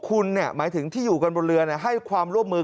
คุณหมายถึงที่อยู่กันบนเรือให้ความร่วมมือ